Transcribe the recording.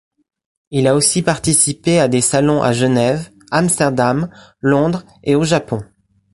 Il a aussi participé à des salons à Genève, Amsterdam, Londres et au Japon.